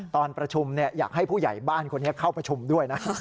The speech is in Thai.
ตอนประชุมอยากให้ผู้ใหญ่บ้านคนนี้เข้าประชุมด้วยนะ